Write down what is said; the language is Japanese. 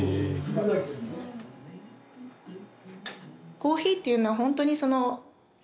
コーヒーっていうのはほんとにそのね